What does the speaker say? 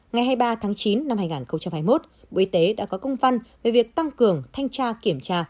ngày hai mươi ba tháng chín năm hai nghìn hai mươi một bộ y tế đã có công văn về việc tăng cường thanh tra kiểm tra